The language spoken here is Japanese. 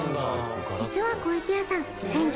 実は湖池屋さん